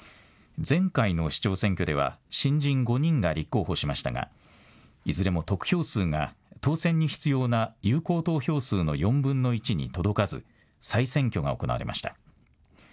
前回の市長選挙では新人５人が立候補しましたがいずれも得票数が当選に必要な有効投票数の４分の１に届かず再選挙が行われました。